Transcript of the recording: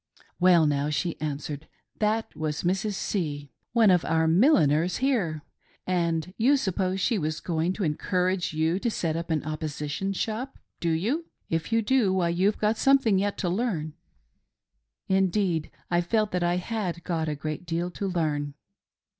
"Well now," she answered, "that was Mrs. C , one of our milliners here ; and you suppose she was going to en PAID IN SALT CHIPS AND WHETSTONES.' 34g courage you to set up an opposition shop, do you? If you do, why, you've got something yet to ,learn." Indeed I felt that I had got a great deal to learn.